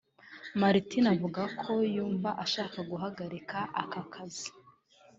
Martine avuga ko yumva ashaka guhagarika aka kazi